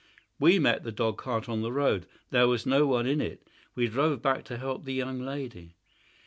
"We met the dog cart on the road. There was no one in it. We drove back to help the young lady."